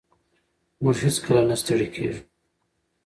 موږ هېڅکله نه ستړي کېږو.